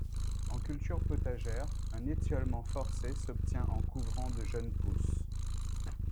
En culture potagère, un étiolement forcé s'obtient en couvrant de jeunes pousses.